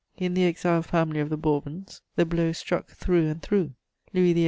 In the exiled family of the Bourbons, the blow struck through and through: Louis XVIII.